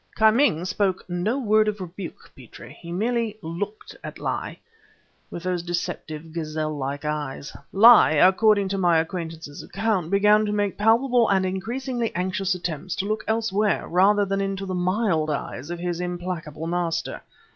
"Ki Ming spoke no word of rebuke, Petrie; he merely looked at Li, with those deceptive, gazelle like eyes. Li, according to my acquaintance account, began to make palpable and increasingly anxious attempts to look anywhere rather than into the mild eyes of his implacable master.